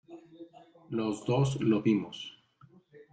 los dos lo vimos.